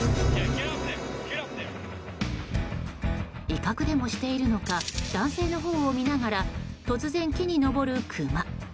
威嚇でもしているのか男性のほうを見ながら突然、木に登るクマ。